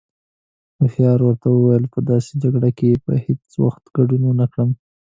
هوښيار ورته وويل: په داسې جگړه کې به هیڅ وخت گډون ونکړم.